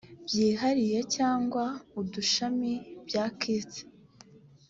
byihariye cyangwa udushami bya kist